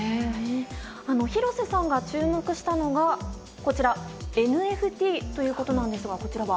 廣瀬さんが注目したのがＮＦＴということなんですがこちらは？